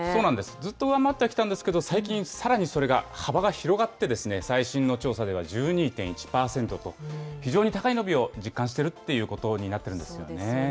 ずっと上回ってはきたんですけれども、最近、幅が広がって、最新の調査では１２．１％と、非常に高い伸びを実感しているということになってるんですよね。